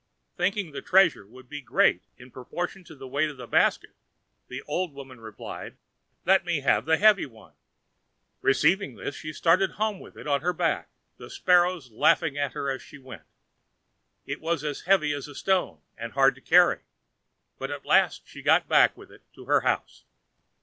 Thinking the treasure would be great in proportion to the weight of the basket, the old woman replied, "Let me have the heavy one." Receiving this, she started home with it on her back, the sparrows laughing at her as she went. It was as heavy as a stone, and hard to carry, but at last she got back with it to her house.